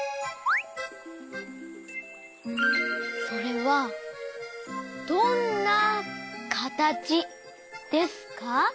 それはどんなかたちですか？